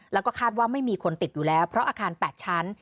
แล้วก็คาดว่าไม่มีคนติดอยู่แล้วเพราะอาคาร๘ชั้น